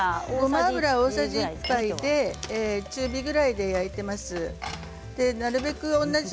ごま油大さじ１杯で中火で焼いています。